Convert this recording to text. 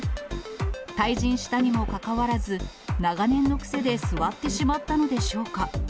退陣したにもかかわらず、長年の癖で座ってしまったのでしょうか。